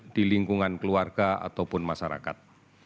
di lingkungan keluarga ataupun masyarakat